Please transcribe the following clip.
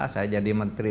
saya jadi menteri